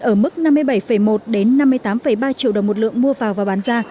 ở mức năm mươi bảy một năm mươi tám ba triệu đồng một lượng mua vào và bán ra